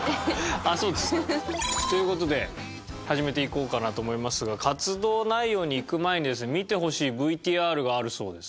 そうですか。という事で始めていこうかなと思いますが活動内容にいく前にですね見てほしいＶＴＲがあるそうです。